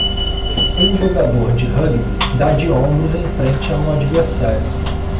Um jogador de rugby dá de ombros em frente a um adversário.